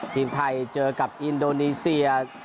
ทีมไทยเจอกับอินโดนีเซีย